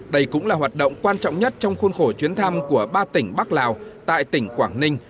đây cũng là hoạt động quan trọng nhất trong khuôn khổ chuyến thăm của ba tỉnh bắc lào tại tỉnh quảng ninh